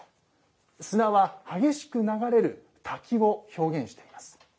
砂は激しく流れる滝を表現しています。